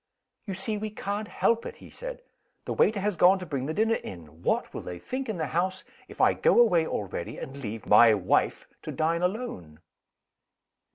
"You see we can't help it," he said. "The waiter has gone to bring the dinner in. What will they think in the house, if I go away already, and leave 'my wife' to dine alone?"